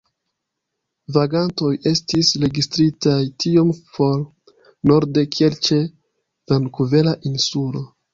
Vagantoj estis registritaj tiom for norde kiel ĉe Vankuvera Insulo.